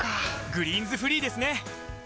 「グリーンズフリー」ですね！